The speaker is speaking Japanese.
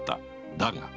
だが